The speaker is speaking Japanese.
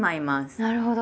なるほど。